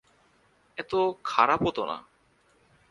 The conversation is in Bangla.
এতো খারাপও তো না!